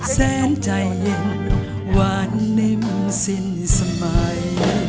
แสนใจเย็นหวานในเมื่อสิ้นสมัย